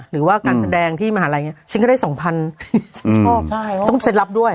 หรือว่าการแสดงที่มหาลัยอย่างนี้ฉันก็ได้สองพันชอบต้องเซ็นรับด้วย